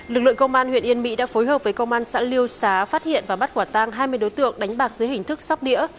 lực lượng công an huyện yên mỹ đã phối hợp với công an xã liêu xá phát hiện và bắt quả tang hai mươi đối tượng đánh bạc dưới hình thức sóc đĩa